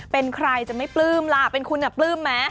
เป็นใครจะไม่ปลื้มล่ะเป็นคุณปลื้มไหม